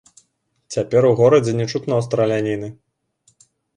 Цяпер у горадзе не чутно страляніны.